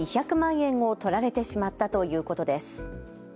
現金２００万円を取られてしまったということです。